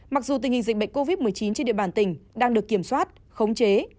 mặc dù tình hình dịch bệnh covid một mươi chín trên địa bàn tỉnh đang được kiểm soát khống chế